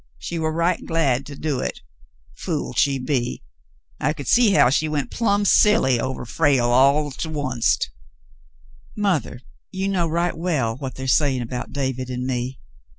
She war right glad to do hit. Fool, she be ! I could see how she went plumb silly ovah Frale all to onc't." "Mothah, you know right well what they're saying about David and me.